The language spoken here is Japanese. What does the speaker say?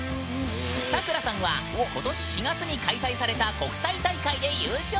さくらさんは今年４月に開催された国際大会で優勝。